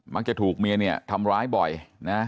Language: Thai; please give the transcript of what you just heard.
มักจะถูกเมียเนี่ยทำร้ายบ่อยนะ